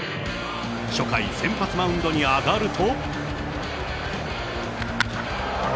初回、先発マウンドに上がると。